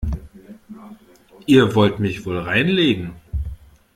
Ihr wollt mich wohl reinlegen?